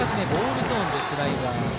あらかじめボールゾーンでスライダー。